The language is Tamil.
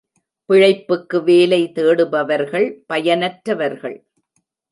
பிழைப்புக்கு வேலை தேடுபவர்கள் பயனற்றவர்கள்.